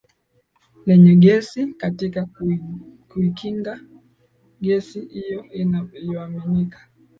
lenye gesi Katika kuikinga gesi hiyo inayoaminika